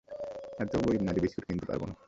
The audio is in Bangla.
এতও গরিব না যে, বিস্কুট কিনতে পারবোনা।